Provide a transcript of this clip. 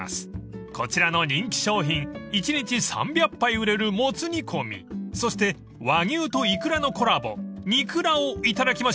［こちらの人気商品一日３００杯売れるもつ煮込みそして和牛とイクラのコラボにくらをいただきましょう］